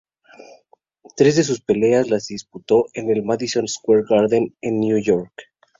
Tres de sus peleas las disputó en el Madison Square Garden de Nueva York.